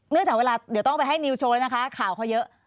จากเวลาเดี๋ยวต้องไปให้นิวโชว์นะคะข่าวเขาเยอะ